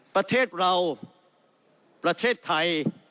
ประเทศเราประเทศไทย